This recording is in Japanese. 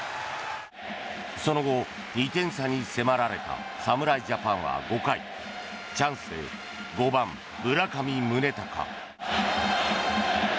その後、２点差に迫られた侍ジャパンは５回チャンスで５番、村上宗隆。